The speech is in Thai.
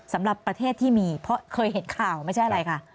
สำหรับประเทศที่มีเพราะเคยเห็นข่าวไม่ใช่อะไรค่ะ